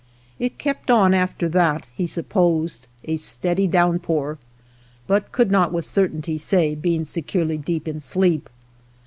It kept on after that, he supposed, a steady downpour, but could not wath certainty say, being securely deep in sleep.